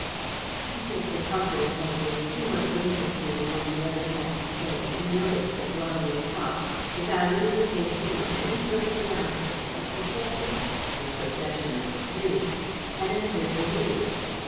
Each of the talkers had been too much interested in what the other had to say to notice that while they talked, without invitation or any sort of announcement, a procession the procession of three! had entered the room.